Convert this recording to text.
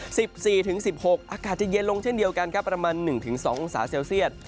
๑๔๑๖องศาเซียตอากาศจะเย็นลงเช่นเดียวกันประมาณ๑๒องศาเซียต